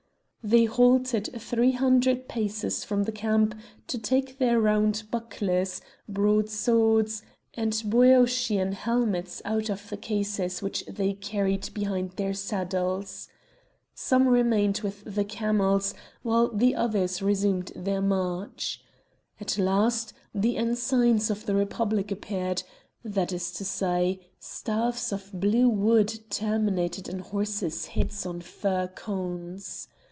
They halted three hundred paces from the camp to take their round bucklers, broad swords, and Boeotian helmets out of the cases which they carried behind their saddles. Some remained with the camels, while the others resumed their march. At last the ensigns of the Republic appeared, that is to say, staves of blue wood terminated in horses' heads or fir cones.